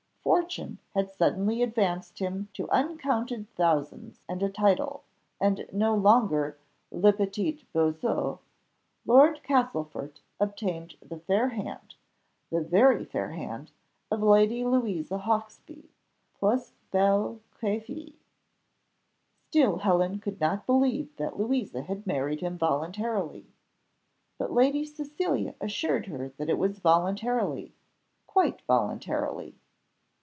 Fortune had suddenly advanced him to uncounted thousands and a title, and no longer le petit bossu, Lord Castlefort obtained the fair hand the very fair hand of Lady Louisa Hawksby, plus belle que fée! Still Helen could not believe that Louisa had married him voluntarily; but Lady Cecilia assured her that it was voluntarily, quite voluntarily.